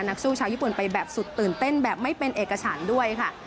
นักสู้ชาวญี่ปุ่นไปแบบสุดตื่นเต้นแบบไม่เป็นเอกฉันด้วยค่ะ